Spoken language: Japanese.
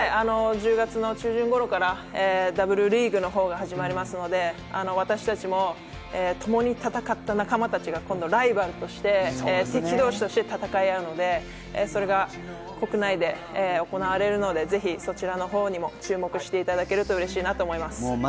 １０月の中旬頃からダブルリーグが始まりますので私たちもともに戦った仲間たちが今度はライバルとして敵同士として戦いあうのでそれが国内で行われるので、ぜひどちらも注目していただけると嬉しいなと思います。